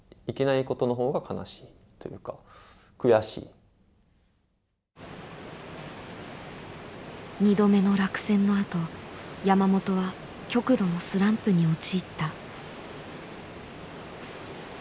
その当時は２度目の落選のあと山本は極度のスランプに陥った。